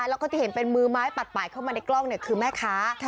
แล้วก็ที่เห็นเป็นมือไม้ปัดป่ายเข้ามาในกล้องคือแม่ค้า